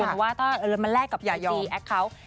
คุณว่าถ้ามาแลกกับตัวจีแอคเคาน์